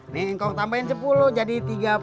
nih kang tambahin sepuluh jadi tiga puluh lima